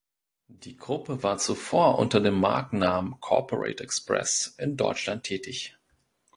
Die Gruppe war zuvor unter den Markennamen "Corporate Express" in Deutschland tätig.